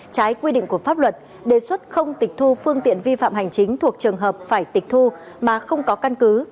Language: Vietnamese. trái quy định của pháp luật đề xuất không tịch thu phương tiện vi phạm hành chính thuộc trường hợp phải tịch thu mà không có căn cứ